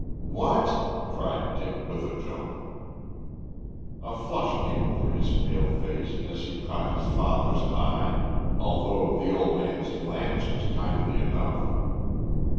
"What!" cried Dick, with a jump. A flush came over his pale face as he caught his father's eye, although the old man's glance was kindly enough.